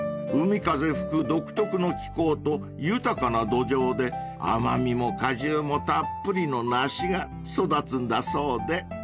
［海風吹く独特の気候と豊かな土壌で甘味も果汁もたっぷりの梨が育つんだそうで］